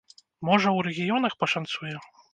Можа, у рэгіёнах пашанцуе?